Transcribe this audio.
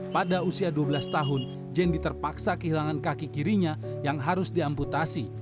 pada usia dua belas tahun jendi terpaksa kehilangan kaki kirinya yang harus diamputasi